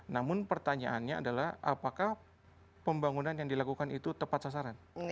namun pertanyaannya adalah apakah pembangunan yang dilakukan itu tepat sasaran